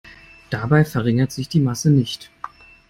Dabei verringert sich die Masse nicht.